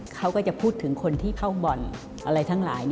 เขาก็จะพูดถึงคนที่เข้าบ่อนอะไรทั้งหลาย